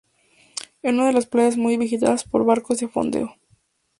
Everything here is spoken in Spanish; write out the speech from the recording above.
Es una de las playa muy visitada por barcos de fondeo.